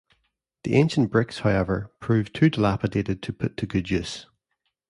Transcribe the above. The ancient bricks, however, proved too dilapidated to put to good use.